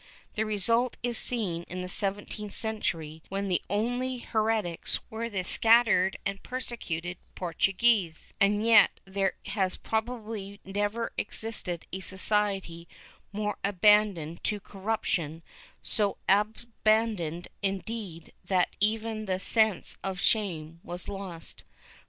^ The result is seen in the seventeenth century, when the only heretics were the scat tered and persecuted Portuguese, and yet there has probably never existed a society more abandoned to corruption — so aban doned, indeed, that even the sense of shame was lost.